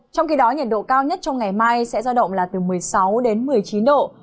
trong khi đó nhiệt độ cao nhất trong ngày mai sẽ giao động là từ một mươi sáu đến một mươi chín độ